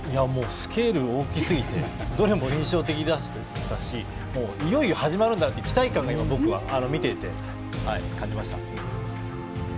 スケールが大きすぎてどれも印象的でしたしいよいよ始まるんだなという期待感が、見ていて感じました。